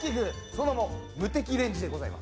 その名もムテキレンジでございます。